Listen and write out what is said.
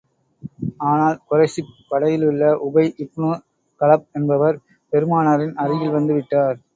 ஆனால், குறைஷிப் படையிலுள்ள உபை இப்னு கலப் என்பவர், பெருமானாரின் அருகில் வந்து விட்டார்.